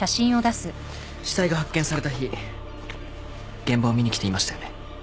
死体が発見された日現場を見に来ていましたよね。